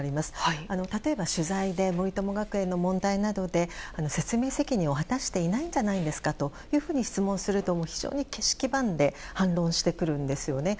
例えば取材で森友学園の問題などで説明責任を果たしていないんじゃないですか？と質問すると非常に気色ばんで反論してくるんですよね。